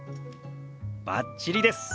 バッチリです。